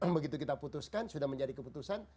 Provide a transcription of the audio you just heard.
begitu kita putuskan sudah menjadi keputusan